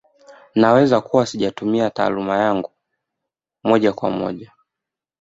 Naweza kuwa sijatumia taaluma yangu moja kwa moja